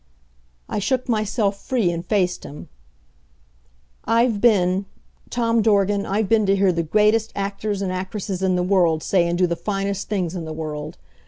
I shook myself free and faced him. "I've been Tom Dorgan, I've been to hear the greatest actors and actresses in the world say and do the finest things in the world.